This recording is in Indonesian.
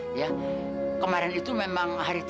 papa ini gimana sih